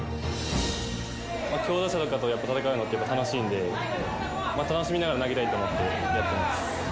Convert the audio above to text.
強打者とかと戦うのってやっぱ楽しいんで、楽しみながら投げたいと思ってやってます。